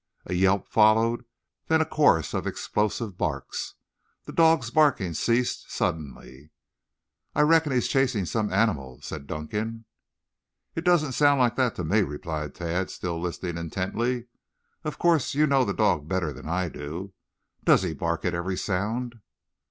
A yelp followed, then a chorus of explosive barks. The dog's barking ceased suddenly. "I reckon he's chasing some animal," said Dunkan. "It didn't sound like that to me," replied Tad, still listening intently. "Of course you know the dog better than do I. Does he bark at every sound?"